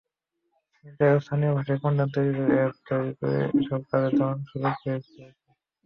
তাই চাইলে স্থানীয় ভাষায় কন্টেন্ট তৈরি, অ্যাপ তৈরি—এসব কাজেও দারুণ সুযোগ রয়েছে।